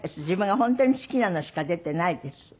自分が本当に好きなのしか出てないです。